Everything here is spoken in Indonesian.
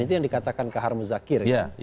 nah itu yang dikatakan kak harmus zakir